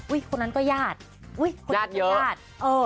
อุ๊ยคนนั้นก็ญาติอุ๊ยคนนั้นก็ญาติ